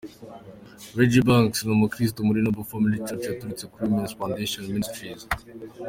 Regy Banks ni umukristu muri Noble Family Church yaturutse kuri Women Foundation Ministries.